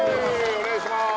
お願いします